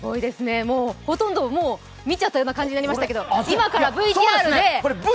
ほとんど見ちゃったような感じになりましたけど今からＶＴＲで。